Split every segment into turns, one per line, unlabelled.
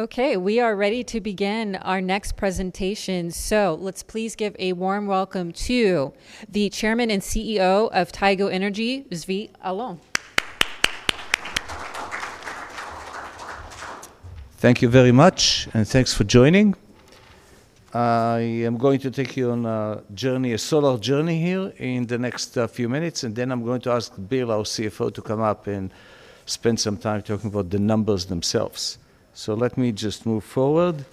Okay, we are ready to begin our next presentation. let's please give a warm welcome to the Chairman and CEO of Tigo Energy, Zvi Alon.
Thank you very much. Thanks for joining. I am going to take you on a journey, a solar journey here in the next few minutes, and then I'm going to ask Bill, our CFO, to come up and spend some time talking about the numbers themselves. Let me just move forward.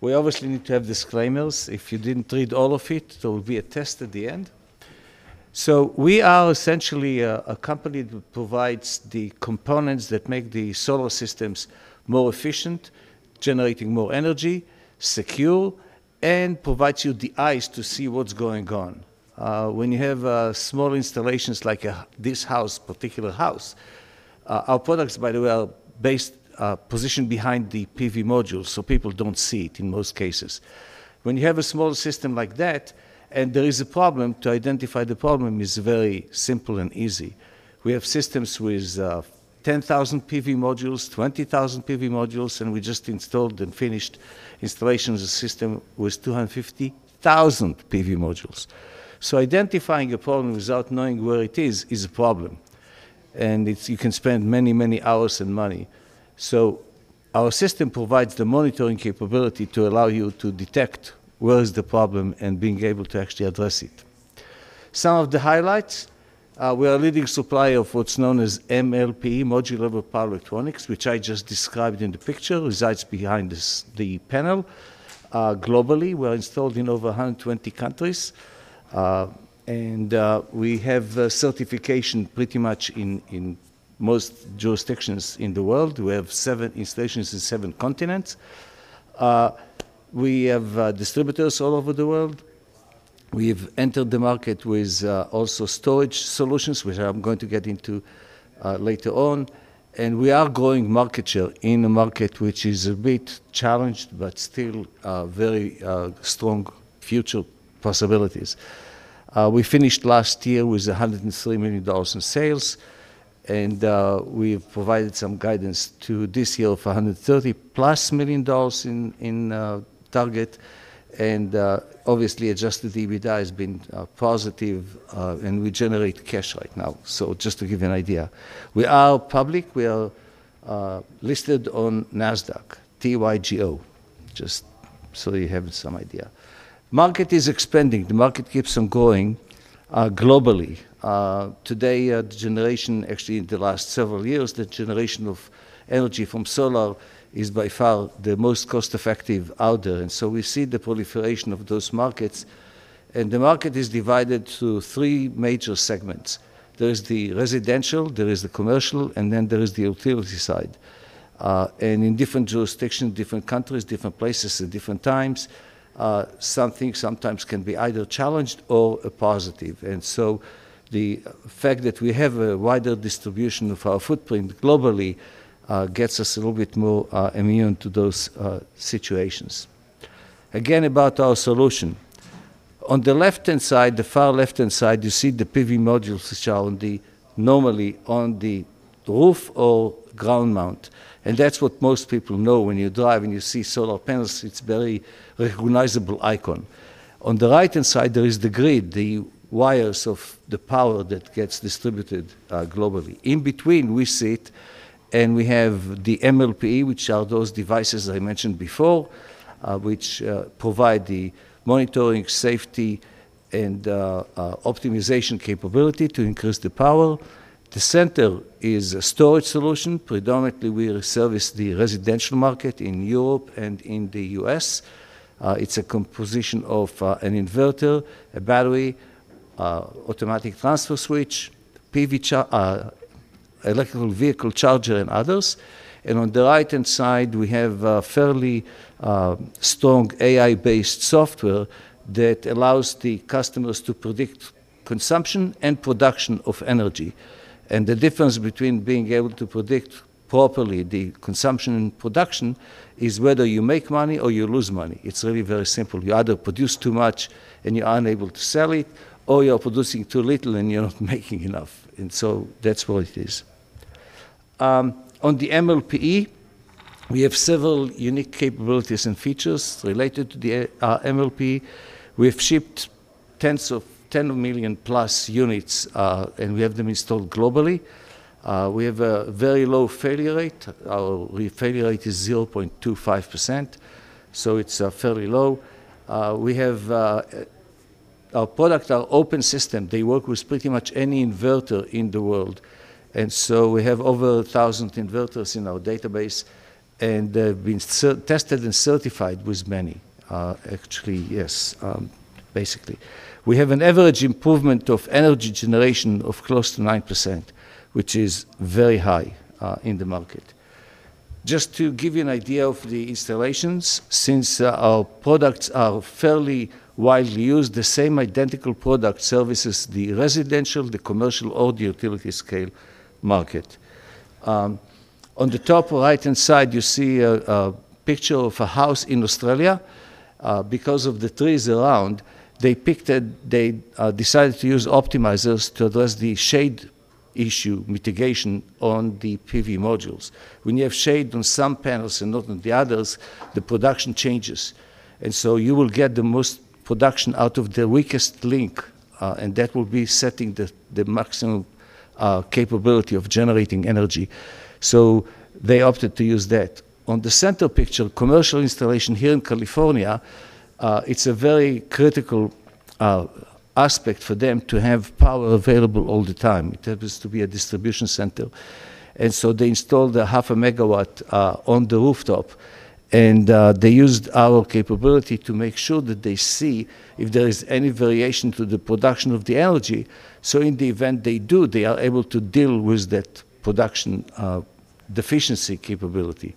We obviously need to have disclaimers. If you didn't read all of it, there will be a test at the end. We are essentially a company that provides the components that make the solar systems more efficient, generating more energy, secure, and provides you the eyes to see what's going on. When you have small installations like this house, particular house, our products, by the way, are positioned behind the PV modules, so people don't see it in most cases. When you have a small system like that, and there is a problem, to identify the problem is very simple and easy. We have systems with 10,000 PV modules, 20,000 PV modules, and we just installed and finished installation of a system with 250,000 PV modules. Identifying a problem without knowing where it is is a problem, and it's, you can spend many, many hours and money. Our system provides the monitoring capability to allow you to detect where is the problem and being able to actually address it. Some of the highlights, we are a leading supplier of what's known as MLPE, Module-Level Power Electronics, which I just described in the picture, resides behind this, the panel. Globally, we are installed in over 120 countries, and we have a certification pretty much in most jurisdictions in the world. We have seven installations in seven continents. We have distributors all over the world. We've entered the market with also storage solutions, which I'm going to get into later on. We are growing market share in a market which is a bit challenged but still very strong future possibilities. We finished last year with $103 million in sales, and we've provided some guidance to this year for +$130 million in target, and obviously adjusted EBITDA has been positive, and we generate cash right now. Just to give you an idea. We are public. We are listed on Nasdaq, TYGO, just so you have some idea. Market is expanding. The market keeps on growing globally. Actually, in the last several years, the generation of energy from solar is by far the most cost-effective out there. We see the proliferation of those markets. The market is divided to three major segments. There is the residential, there is the commercial, and then there is the utility side. In different jurisdictions, different countries, different places at different times, something sometimes can be either challenged or a positive. The fact that we have a wider distribution of our footprint globally gets us a little bit more immune to those situations. Again, about our solution. On the left-hand side, the far left-hand side, you see the PV modules, which are normally on the roof or ground mount, and that's what most people know when you drive and you see solar panels. It's very recognizable icon. On the right-hand side, there is the grid, the wires of the power that gets distributed globally. In between, we sit, and we have the MLPE, which are those devices that I mentioned before, which provide the monitoring, safety, and optimization capability to increase the power. The center is a storage solution. Predominantly, we service the residential market in Europe and in the U.S. It's a composition of an inverter, a battery, automatic transfer switch, electric vehicle charger, and others. On the right-hand side, we have a fairly strong AI-based software that allows the customers to predict consumption and production of energy. The difference between being able to predict properly the consumption and production is whether you make money or you lose money. It's really very simple. You either produce too much, and you are unable to sell it, or you're producing too little, and you're not making enough. That's what it is. On the MLPE, we have several unique capabilities and features related to the MLPE. We've shipped 10 million plus units, and we have them installed globally. We have a very low failure rate. Our failure rate is 0.25%, so it's fairly low. Our products are open system. They work with pretty much any inverter in the world. We have over 1,000 inverters in our database, and they've been tested and certified with many. Actually, yes, basically. We have an average improvement of energy generation of close to 9%, which is very high in the market. Just to give you an idea of the installations, since our products are fairly widely used, the same identical product services the residential, the commercial, or the utility scale market. On the top right-hand side, you see a picture of a house in Australia. Because of the trees around, they decided to use optimizers to address the shade- issue mitigation on the PV modules. When you have shade on some panels and not on the others, the production changes. You will get the most production out of the weakest link, and that will be setting the maximum capability of generating energy. They opted to use that. On the center picture, commercial installation here in California, it's a very critical aspect for them to have power available all the time. It happens to be a distribution center. They installed a 0.5 MW on the rooftop, and they used our capability to make sure that they see if there is any variation to the production of the energy. In the event they do, they are able to deal with that production deficiency capability.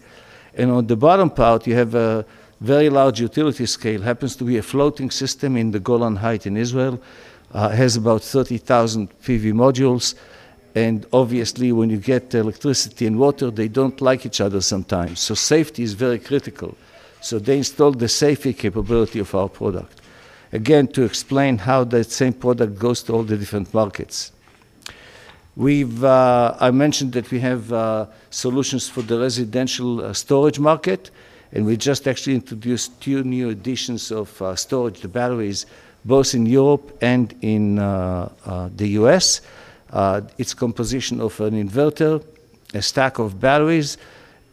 On the bottom part, you have a very large utility scale, happens to be a floating system in the Golan Heights in Israel. It has about 30,000 PV modules, and obviously when you get electricity and water, they don't like each other sometimes, so safety is very critical. They installed the safety capability of our product. Again, to explain how that same product goes to all the different markets. We've I mentioned that we have solutions for the residential storage market. We just actually introduced two new additions of storage to batteries, both in Europe and in the U.S. It's composition of an inverter, a stack of batteries,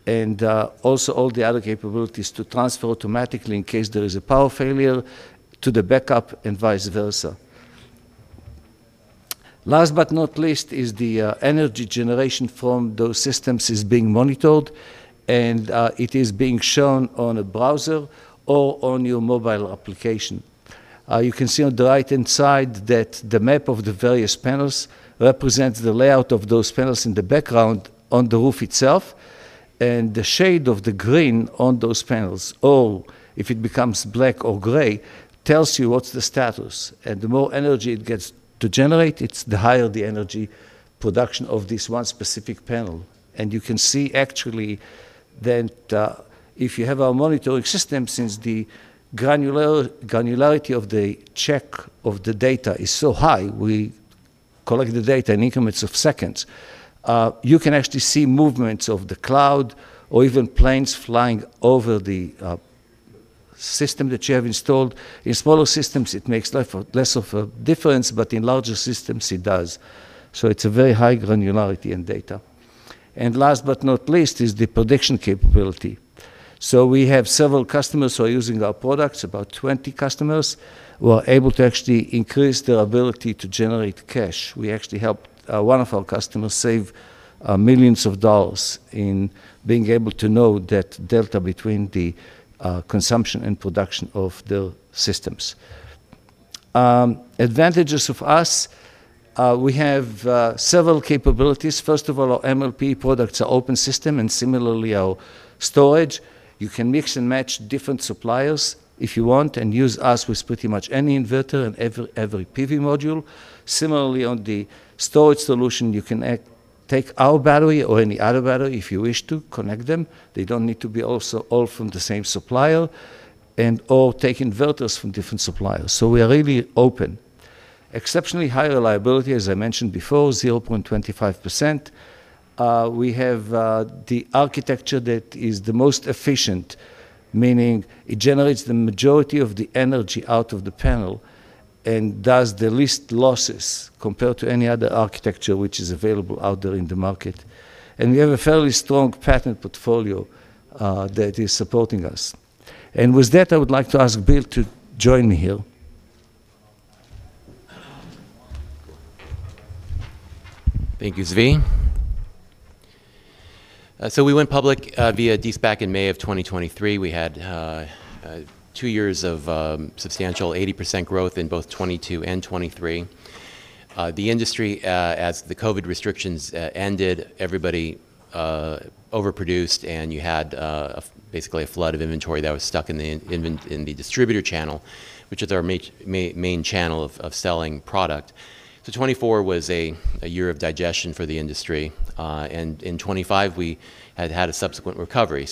and also all the other capabilities to transfer automatically in case there is a power failure to the backup and vice versa. Last but not least is the energy generation from those systems is being monitored. It is being shown on a browser or on your mobile application. You can see on the right-hand side that the map of the various panels represents the layout of those panels in the background on the roof itself, and the shade of the green on those panels, or if it becomes black or gray, tells you what's the status. The more energy it gets to generate, the higher the energy production of this one specific panel. You can see actually that, if you have our monitoring system, since the granularity of the check of the data is so high, we collect the data in increments of seconds, you can actually see movements of the cloud or even planes flying over the system that you have installed. In smaller systems it makes less of a difference, but in larger systems it does. It's a very high granularity in data. Last but not least is the prediction capability. We have several customers who are using our products, about 20 customers, who are able to actually increase their ability to generate cash. We actually helped one of our customers save millions of dollars in being able to know that delta between the consumption and production of the systems. Advantages of us, we have several capabilities. First of all, our MLPE products are open system and similarly our storage. You can mix and match different suppliers if you want and use us with pretty much any inverter and every PV module. Similarly, on the storage solution, you can take our battery or any other battery if you wish to connect them. They don't need to be also all from the same supplier, and all take inverters from different suppliers. We are really open. Exceptionally high reliability, as I mentioned before, 0.25%. We have the architecture that is the most efficient, meaning it generates the majority of the energy out of the panel and does the least losses compared to any other architecture which is available out there in the market. We have a fairly strong patent portfolio that is supporting us. With that, I would like to ask Bill to join me here.
Thank you, Zvi. We went public via de-SPAC in May of 2023. We had two years of substantial 80% growth in both 2022 and 2023. The industry, as the COVID restrictions ended, everybody overproduced, and you had basically a flood of inventory that was stuck in the distributor channel, which is our main channel of selling product. 2024 was a year of digestion for the industry. In 2025 we had a subsequent recovery,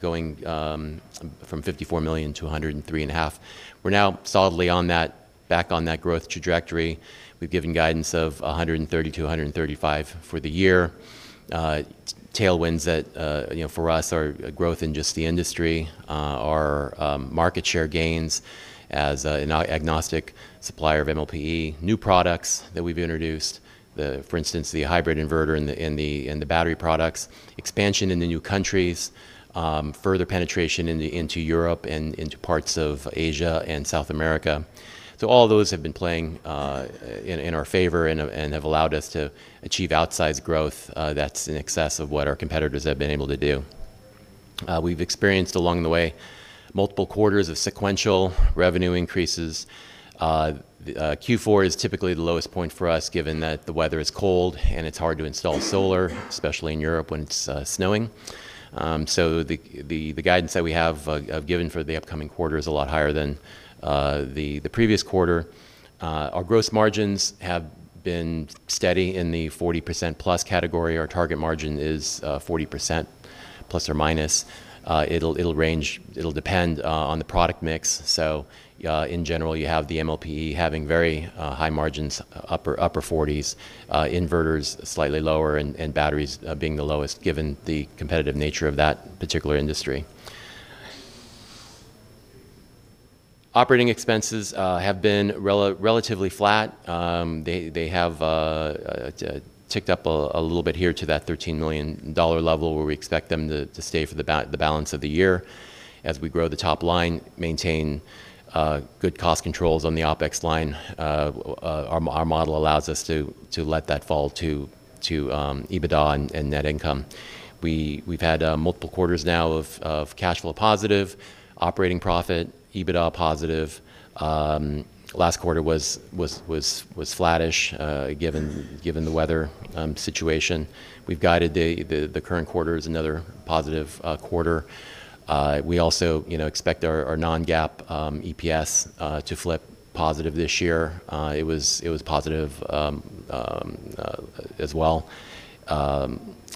going from $54 million-$103.5 million. We're now solidly back on that growth trajectory. We've given guidance of $130 million-$135 million for the year. Tailwinds that, you know, for us are growth in just the industry, our market share gains as an agnostic supplier of MLPE, new products that we've introduced, for instance, the hybrid inverter and the battery products, expansion into new countries, further penetration into Europe and into parts of Asia and South America. All those have been playing in our favor and have allowed us to achieve outsized growth that's in excess of what our competitors have been able to do. We've experienced along the way multiple quarters of sequential revenue increases. Q4 is typically the lowest point for us given that the weather is cold and it's hard to install solar, especially in Europe when it's snowing. The guidance that we have given for the upcoming quarter is a lot higher than the previous quarter. Our gross margins have been steady in the 40%+ category. Our target margin is 40%±. It'll depend on the product mix. In general, you have the MLPE having very high margins, upper 40%s, inverters slightly lower and batteries being the lowest given the competitive nature of that particular industry. Operating expenses have been relatively flat. They have ticked up a little bit here to that $13 million level where we expect them to stay for the balance of the year. As we grow the top line, maintain good cost controls on the OpEx line. Our model allows us to let that fall to EBITDA and net income. We've had multiple quarters now of cash flow positive, operating profit, EBITDA positive. Last quarter was flattish given the weather situation. We've guided the current quarter is another positive quarter. We also, you know, expect our non-GAAP EPS to flip positive this year. It was positive as well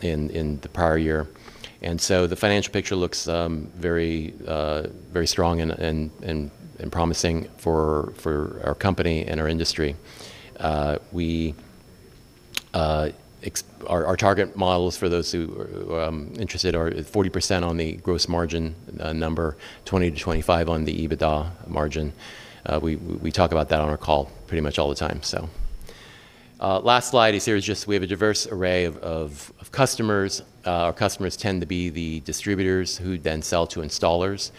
in the prior year. The financial picture looks very strong and promising for our company and our industry. Our target models for those who are interested are 40% on the gross margin number, 20%-25% on the EBITDA margin. We talk about that on our call pretty much all the time, so. Last slide is here is just we have a diverse array of customers. Our customers tend to be the distributors who then sell to installers.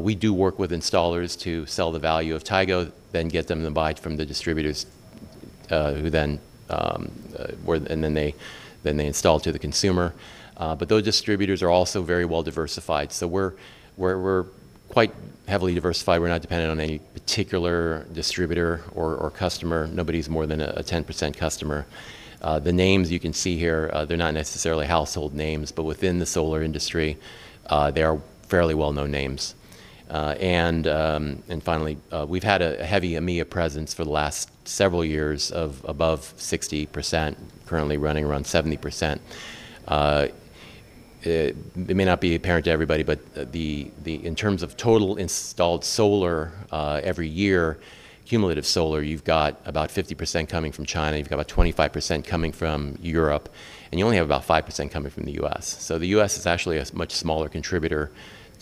We do work with installers to sell the value of Tigo then get them to buy from the distributors, who then they install to the consumer. Those distributors are also very well diversified. We're quite heavily diversified. We're not dependent on any particular distributor or customer. Nobody's more than a 10% customer. The names you can see here, they're not necessarily household names, but within the solar industry, they are fairly well-known names. Finally, we've had a heavy EMEA presence for the last several years of above 60%, currently running around 70%. It may not be apparent to everybody, in terms of total installed solar, every year, cumulative solar, you've got about 50% coming from China, you've got about 25% coming from Europe, and you only have about 5% coming from the U.S. The U.S. is actually a much smaller contributor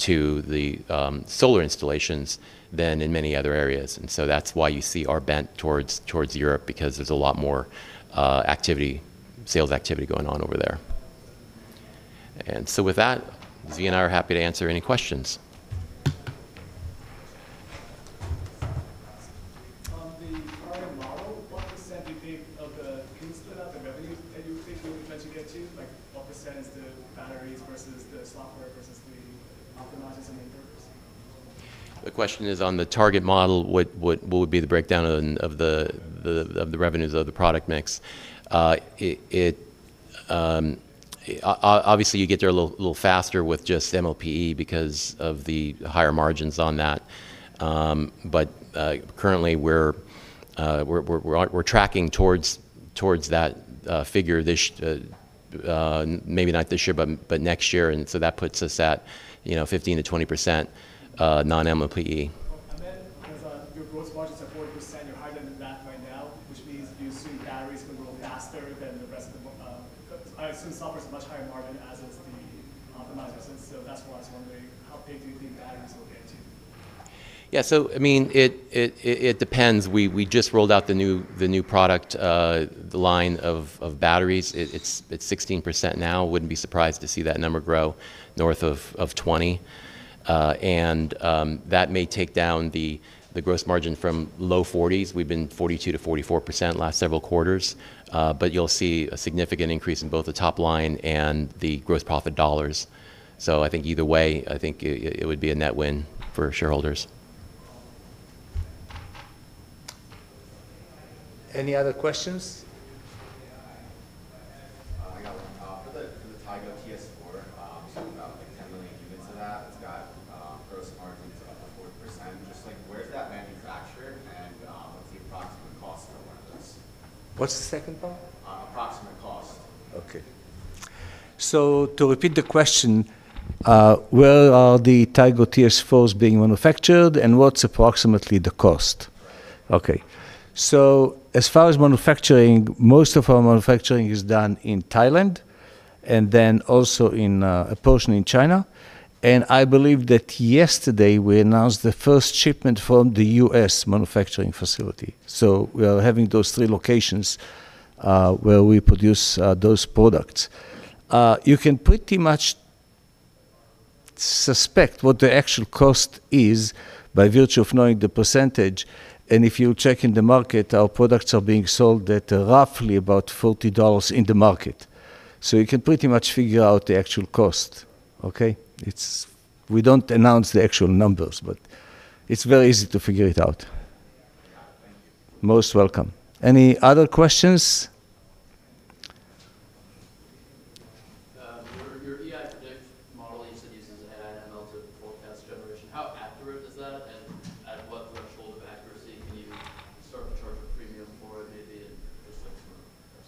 to the solar installations than in many other areas. That's why you see our bent towards Europe because there's a lot more activity, sales activity going on over there. With that, Zvi and I are happy to answer any questions.
On the target model, what percent do you think can you split up the revenue that you think you'll eventually get to? Like what percent is the batteries versus the software versus the optimizers and inverters?
The question is on the target model, what would be the breakdown of the revenues of the product mix? It, obviously you get there a little faster with just MLPE because of the higher margins on that. Currently we're tracking towards that figure this, maybe not this year, but next year. That puts us at, you know, 15%-20% non-MLPE.
Because your gross margins are 40%, you're higher than that right now, which means you assume batteries will grow faster than the rest of the. I assume software's a much higher margin as is the optimizers. That's why I was wondering how big do you think batteries will get to?
I mean, it depends. We just rolled out the new product, the line of batteries. It's 16% now. Wouldn't be surprised to see that number grow north of 20%. That may take down the gross margin from low forties. We've been 42%-44% last several quarters. You'll see a significant increase in both the top line and the gross profit dollars. I think either way, I think it would be a net win for shareholders.
Any other questions?
Yeah. Hi. I got one. For the Tigo TS4, so you've got like 10 million units of that. It's got gross margins of up to 40%. Just like where is that manufactured and, what's the approximate cost of one of those?
What's the second part?
Approximate cost.
Okay. To repeat the question, where are the Tigo TS4s being manufactured and what's approximately the cost?
Right.
Okay. As far as manufacturing, most of our manufacturing is done in Thailand and then also in a portion in China. I believe that yesterday we announced the first shipment from the U.S. manufacturing facility. We are having those three locations where we produce those products. You can pretty much suspect what the actual cost is by virtue of knowing the percentage. If you check in the market, our products are being sold at roughly about $40 in the market. You can pretty much figure out the actual cost. Okay? We don't announce the actual numbers, but it's very easy to figure it out.
Thank you.
Most welcome. Any other questions?
Your AI project model you said uses AI and ML to forecast generation. How accurate is that, and at what threshold of accuracy can you start to charge a premium for it, maybe, and just like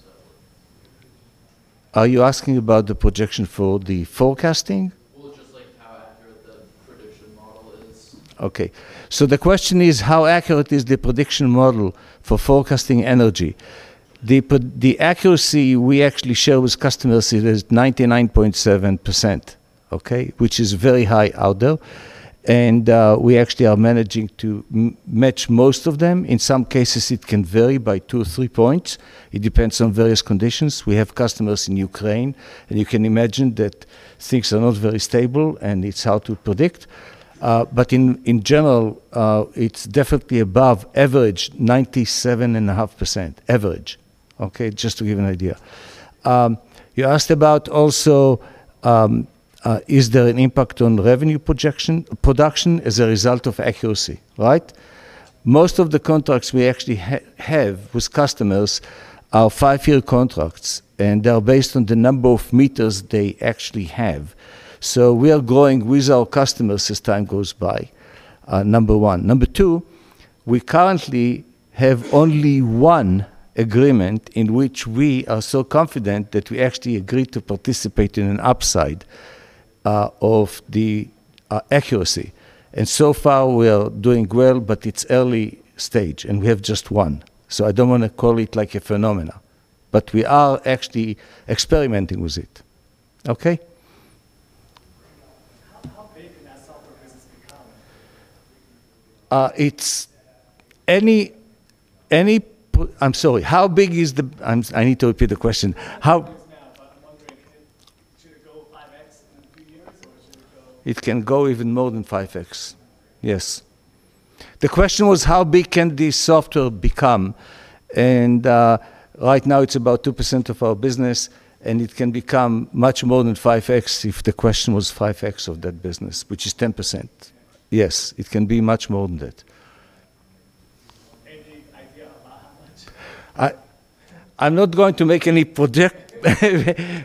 sort of how does that work?
Are you asking about the projection for the forecasting?
Well, just like how accurate the prediction model is?
Okay. The question is, how accurate is the prediction model for forecasting energy? The accuracy we actually share with customers is 99.7%, okay? Which is very high out there. We actually are managing to match most of them. In some cases, it can vary by two, three points. It depends on various conditions. We have customers in Ukraine, you can imagine that things are not very stable, and it's hard to predict. In general, it's definitely above average 97.5%, average, okay? Just to give you an idea. You asked about also, is there an impact on revenue projection, production as a result of accuracy, right? Most of the contracts we actually have with customers are five-year contracts, they are based on the number of meters they actually have. We are growing with our customers as time goes by, number one. Number two, we currently have only one agreement in which we are so confident that we actually agreed to participate in an upside of the accuracy. So far we are doing well, but it's early stage, and we have just one. I don't wanna call it like a phenomena. We are actually experimenting with it, okay.
How big can that software business become?
I'm sorry. How big is the I need to repeat the question.
How big it is now, but I'm wondering should it go 5x in a few years?
It can go even more than 5x. Yes. The question was how big can this software become, and right now it's about 2% of our business, and it can become much more than 5x if the question was 5x of that business, which is 10%. Yes, it can be much more than that.
Any idea about how much?
I'm not going to make any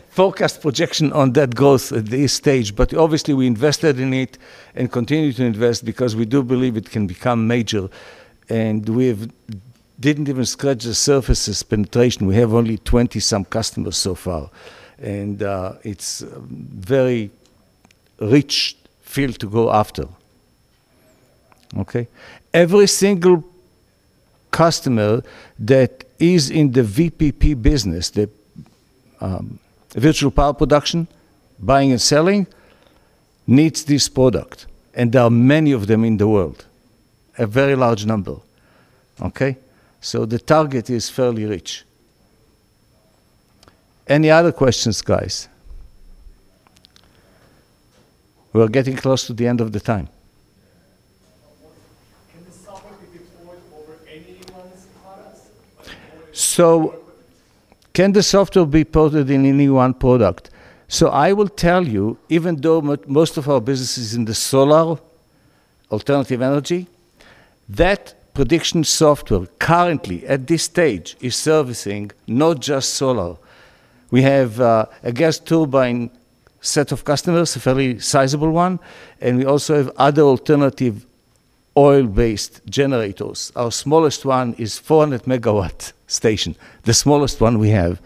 forecast projection on that growth at this stage, obviously we invested in it and continue to invest because we do believe it can become major. We didn't even scratch the surface of penetration. We have only 20-some customers so far. It's a very rich field to go after, okay? Every single customer that is in the VPP business, the Virtual Power Production, buying and selling, needs this product, there are many of them in the world, a very large number, okay? The target is fairly rich. Any other questions, guys? We are getting close to the end of the time.
Can the software be deployed over anyone's products or is it only?
Can the software be ported in any one product? I will tell you, even though most of our business is in the solar alternative energy, that prediction software currently at this stage is servicing not just solar. We have a gas turbine set of customers, a fairly sizable one, and we also have other alternative oil-based generators. Our smallest one is 400 MW station, the smallest one we have.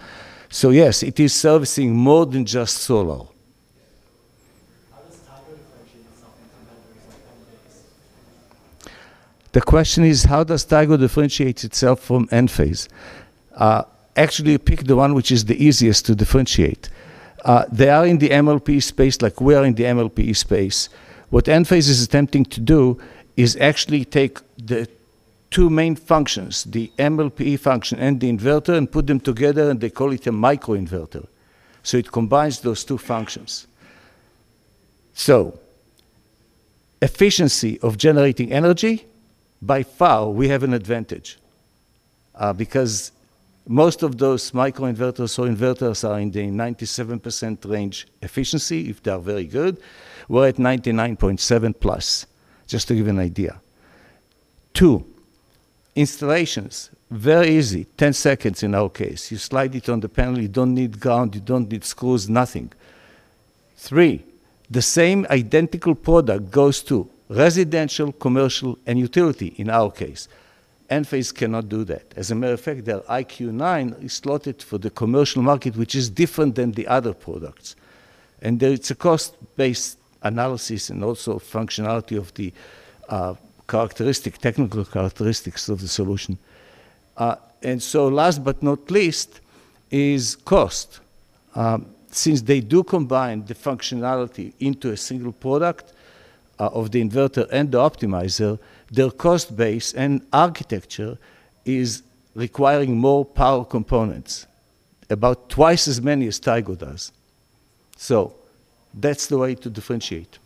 Yes, it is servicing more than just solar.
How does Tigo differentiate itself from Enphase?
The question is how does Tigo differentiate itself from Enphase? Actually you picked the one which is the easiest to differentiate. They are in the MLPE space like we are in the MLPE space. What Enphase is attempting to do is actually take the two main functions, the MLPE function and the inverter, and put them together, and they call it a microinverter. It combines those two functions. Efficiency of generating energy, by far we have an advantage, because most of those microinverters or inverters are in the 97% range efficiency if they are very good. We're at 99.7% plus, just to give you an idea. two installations, very easy, 10 seconds in our case. You slide it on the panel. You don't need ground. You don't need screws, nothing. Three, the same identical product goes to residential, commercial, and utility in our case. Enphase cannot do that. As a matter of fact, their IQ9 is slotted for the commercial market, which is different than the other products. There it's a cost-based analysis and also functionality of the technical characteristics of the solution. Last but not least is cost. Since they do combine the functionality into a single product of the inverter and the optimizer, their cost base and architecture is requiring more power components, about twice as many as Tigo does. That's the way to differentiate.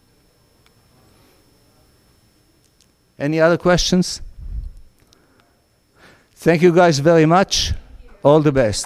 Any other questions? Thank you guys very much. All the best.